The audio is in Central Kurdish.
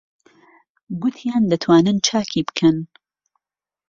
گوتیان دەتوانن چاکی بکەن.